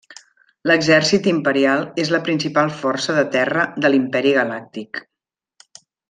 L'Exèrcit Imperial és la principal força de terra de l'Imperi Galàctic.